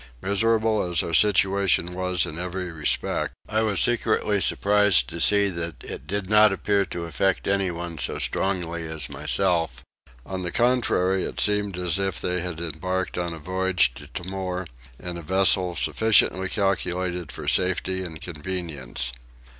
Miserable as our situation was in every respect I was secretly surprised to see that it did not appear to affect anyone so strongly as myself; on the contrary it seemed as if they had embarked on a voyage to Timor in a vessel sufficiently calculated for safety and convenience.